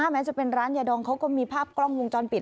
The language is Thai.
แม้จะเป็นร้านยาดองเขาก็มีภาพกล้องวงจรปิด